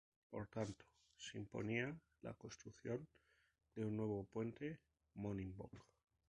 Por tanto, se imponía la construcción de un nuevo puente Monivong.